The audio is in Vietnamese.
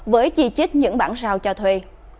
với chi chích những bản rau cho thuê